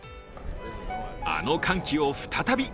あの歓喜を再び。